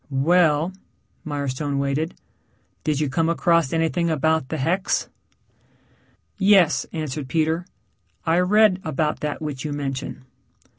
"Well," Mirestone waited. "Did you come across anything about the hex?" "Yes," answered Peter. "I read about that which you mention."